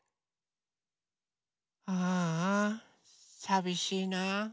ああさびしいな。